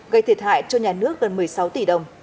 gây thiệt hại cho nhà nước gần một mươi sáu tỷ đồng